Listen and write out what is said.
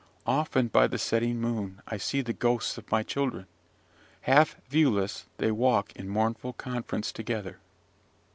"Often by the setting moon I see the ghosts of my children; half viewless they walk in mournful conference together."